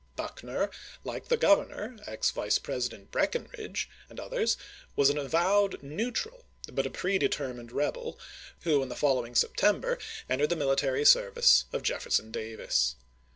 Buckner, like the Governor, ex Vice President Breckinridge, and others, was an avowed " neutral " but a prede termined rebel, who in the following September entered the military service of Jefferson Davis.